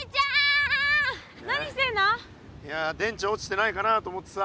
いや電池落ちてないかなと思ってさ。